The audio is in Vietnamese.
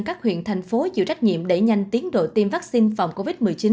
các huyện thành phố chịu trách nhiệm đẩy nhanh tiến độ tiêm vaccine phòng covid một mươi chín